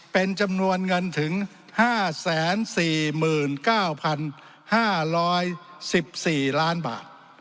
เป็นจำนวนเงินถึง๕๔๙๕๑๔ล้านบาท